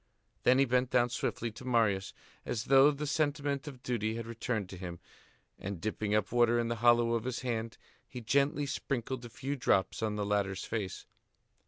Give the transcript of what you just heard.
Then he bent down swiftly to Marius, as though the sentiment of duty had returned to him, and, dipping up water in the hollow of his hand, he gently sprinkled a few drops on the latter's face.